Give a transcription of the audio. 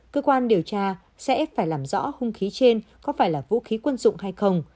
cơ quan điều tra sẽ phải làm rõ hung khí trên có phải là vũ khí quân dụng hay không